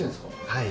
はい。